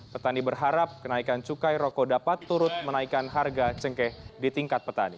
petani berharap kenaikan cukai rokok dapat turut menaikkan harga cengkeh di tingkat petani